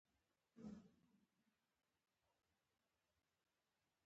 کوتره له جلاوالي نه کرکه لري.